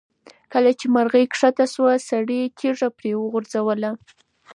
کله چې مرغۍ ښکته شوه، سړي تیږه پرې وغورځوله.